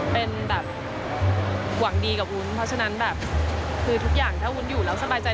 เป็นแบบหวังดีกับวุ้นเพราะฉะนั้นแบบคือทุกอย่างถ้าวุ้นอยู่แล้วสบายใจ